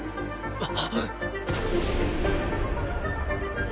あっ。